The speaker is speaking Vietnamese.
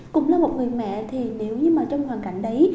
cũng như một người mẹ thì nếu như mà trong hoàn cảnh đấy